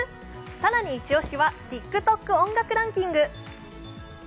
更に一押しはＴｉｋＴｏｋ音楽ランキング。